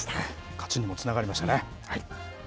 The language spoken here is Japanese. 勝ちにもつながりましたね。